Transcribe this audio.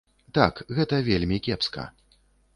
Так, гэта вельмі кепска.